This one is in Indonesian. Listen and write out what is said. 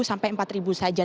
sampai rp empat saja